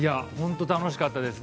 楽しかったです。